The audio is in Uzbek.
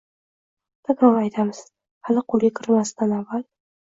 takror aytamiz, hali qo‘lga kirmasidan avval